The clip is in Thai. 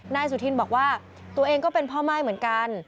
นายสุธินบอกว่าตัวเองก็เป็นพ่อม่ายเหมือนกัน